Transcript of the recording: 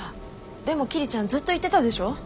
でも桐ちゃんずっと言ってたでしょ。